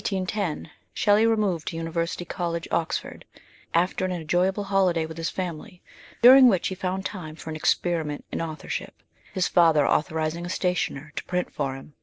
In 1810 Shelley removed to University College, Oxford, alter an enjoyable holiday with his family, during which he found time for an experiment in authorship, his father authorising a stationer to print for him.